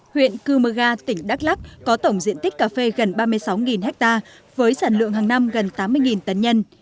huyện cư mơ ga tỉnh đắk lắc có tổng diện tích cà phê gần ba mươi sáu ha với sản lượng hàng năm gần tám mươi tấn nhân